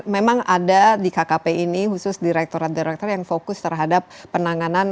memang ada di kkp ini khusus direkturat direktur yang fokus terhadap penanganan